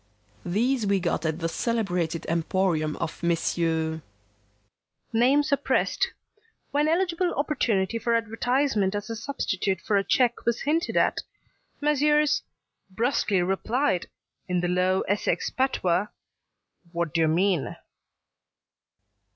These we got at the celebrated emporium of Messrs. . Name suppressed. When eligible opportunity for advertisement as a substitute for a cheque was hinted at, Messrs. brusquely replied, in the low Essex patois, 'Wadyermean?'